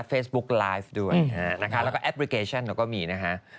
เฟซบุ๊กไลฟ์ด้วยนะฮะแล้วก็แอปพลิเคชันเราก็มีนะฮะ